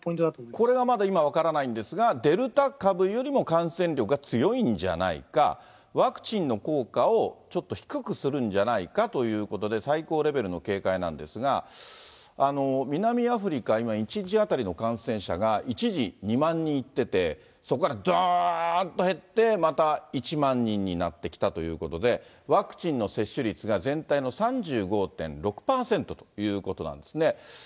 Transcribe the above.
これがまだ今分からないんですが、デルタ株よりも感染力が強いんじゃないか、ワクチンの効果をちょっと低くするんじゃないかということで、最高レベルの警戒なんですが、南アフリカ、今、１日当たりの感染者が一時２万人いってて、そこからどーんと減って、また１万人になってきたということで、ワクチンの接種率が全体の３５．６％ということなんですね。